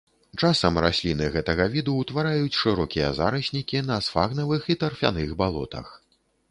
Часам расліны гэтага віду ўтвараюць шырокія зараснікі на сфагнавых і тарфяных балотах.